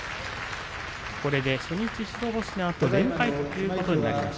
初日白星のあと連敗です。